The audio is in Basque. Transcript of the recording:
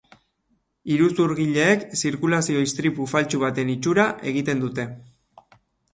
Iruzurgileek zirkulazio-istripu faltsu baten itxura egiten dute.